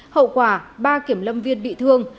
hậu quả ba kiểm lâm viên bị thương